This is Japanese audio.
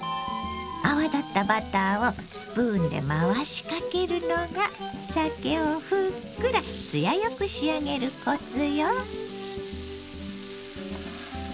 泡立ったバターをスプーンで回しかけるのがさけをふっくら艶よく仕上げるコツよ。